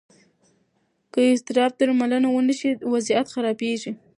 که اضطراب درملنه ونه شي، وضعیت خرابېږي.